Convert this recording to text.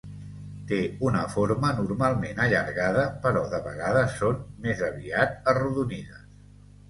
Té una forma normalment allargada però de vegades són més aviat arrodonides.